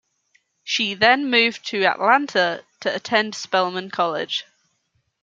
She then moved to Atlanta to attend Spelman College.